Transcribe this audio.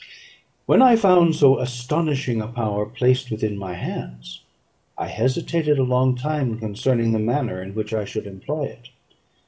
When I found so astonishing a power placed within my hands, I hesitated a long time concerning the manner in which I should employ it.